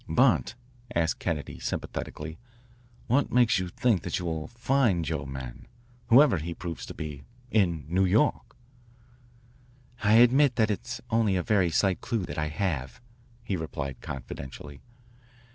"But," asked Kennedy sympathetically, "what makes you think that you will find your man, whoever he proves to be, in New York?" I admit that it is only a very slight clue that I have," he replied confidentially.